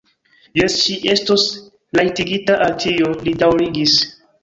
Jes, ŝi estos rajtigita al tio, li daŭrigis.